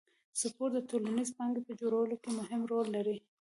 سپورت د ټولنیزې پانګې په جوړولو کې مهم رول لري.